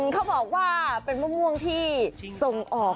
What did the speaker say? เขาบอกว่าเป็นมะม่วงที่ส่งออก